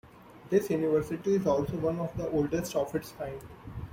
This university is also one of the oldest of its kind.